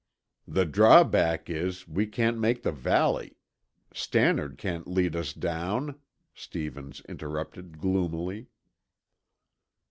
"The drawback is, we can't make the valley. Stannard can't lead us down," Stevens interrupted gloomily.